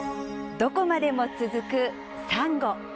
どこまでも続くサンゴ。